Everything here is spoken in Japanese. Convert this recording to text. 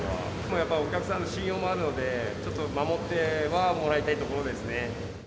やっぱりお客さんの信用もあるので、ちょっと守ってはもらいたいところですね。